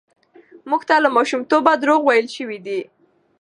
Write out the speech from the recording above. موږ ته له ماشومتوبه دروغ ويل شوي دي.